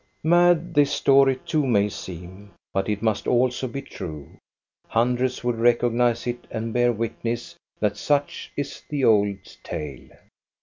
Mad this story too may seem, but it must also be true. Hundreds will recognize it and bear witness that such is the old tale.